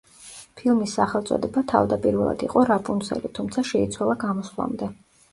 ფილმის სახელწოდება თავდაპირველად იყო „რაპუნცელი“, თუმცა შეიცვალა გამოსვლამდე.